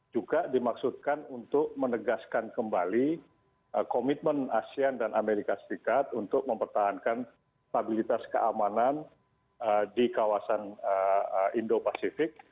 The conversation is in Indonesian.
juga dimaksudkan untuk menegaskan kembali komitmen asean dan amerika serikat untuk mempertahankan stabilitas keamanan di kawasan indo pasifik